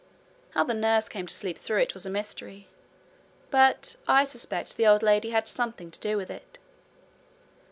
How the nurse came to sleep through it was a mystery, but I suspect the old lady had something to do with it.